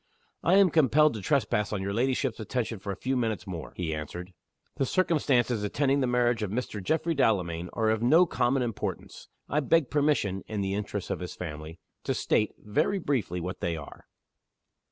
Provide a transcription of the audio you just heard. "I am compelled to trespass on your ladyship's attention for a few minutes more," he answered. "The circumstances attending the marriage of Mr. Geoffrey Delamayn are of no common importance. I beg permission (in the interests of his family) to state, very briefly, what they are."